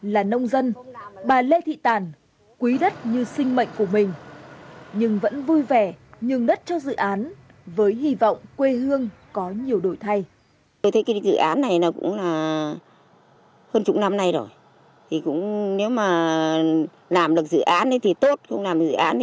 là nông dân bà lê thị tàn quý đất như sinh mệnh của mình nhưng vẫn vui vẻ